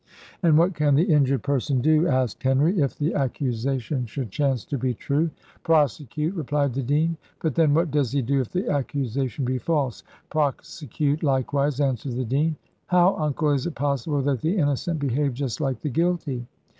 "And what can the injured person do," asked Henry, "if the accusation should chance to be true?" "Prosecute," replied the dean. "But, then, what does he do if the accusation be false?" "Prosecute likewise," answered the dean. "How, uncle! is it possible that the innocent behave just like the guilty?"